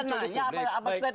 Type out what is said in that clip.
anda nanya apa statement